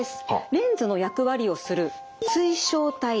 レンズの役割をする水晶体です。